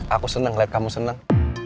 aku seneng liat kamu seneng